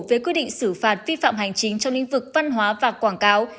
với quy định xử phạt vi phạm hành chính trong lĩnh vực văn hóa và quảng cáo